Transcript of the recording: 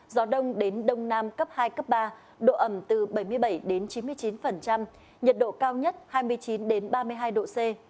gió đông đến đông nam cấp hai cấp ba độ ẩm từ bảy mươi bảy đến chín mươi chín nhiệt độ cao nhất hai mươi chín ba mươi hai độ c